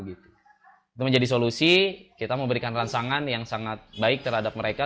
itu menjadi solusi kita memberikan rangsangan yang sangat baik terhadap mereka